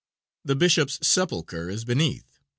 The bishops' sepulcher is beneath.